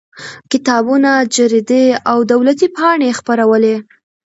کتابونه جریدې او دولتي پاڼې یې خپرولې.